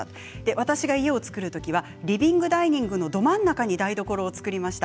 私が家を造る時はリビングダイニングのど真ん中に台所を作りました。